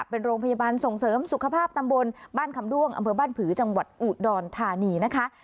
เป็นโรงพยาบาลส่งเสริมสุขภาพตำบลบ้านคำด้วงอำเภอบ้านผือจังหวัดอุดรธานีนะคะ